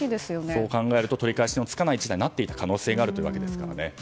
そう考えると取り返しのつかない事態になっていた可能性もあるわけですよね。